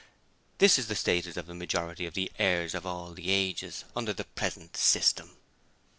This is the status of the majority of the 'Heirs of all the ages' under the present system.